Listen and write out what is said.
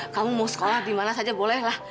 kamu mau sekolah di mana saja boleh lah